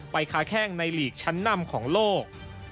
ค้าแข้งในหลีกชั้นนำของโลก